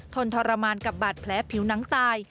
นทรมานกับบาดแผลผิวหนังตาย